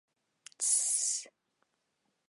— С-с-с!